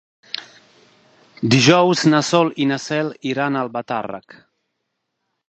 Dijous na Sol i na Cel iran a Albatàrrec.